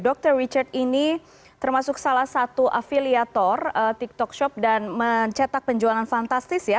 dr richard ini termasuk salah satu afiliator tiktok shop dan mencetak penjualan fantastis ya